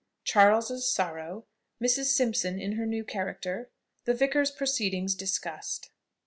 CHARLES'S SORROW. MRS. SIMPSON IN HER NEW CHARACTER. THE VICAR'S PROCEEDINGS DISCUSSED.